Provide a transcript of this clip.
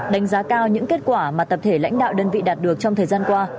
đánh giá cao những kết quả mà tập thể lãnh đạo đơn vị đạt được trong thời gian qua